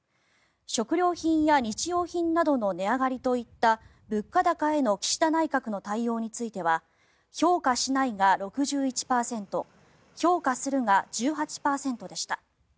食料品や日用品などの値上がりといった物価高への岸田内閣の対応については評価しないが６１％評価するが１８％でした。